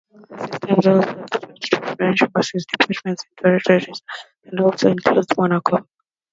The system also extends to French overseas departments and territories, and also includes Monaco.